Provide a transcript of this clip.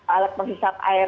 alat penghisap air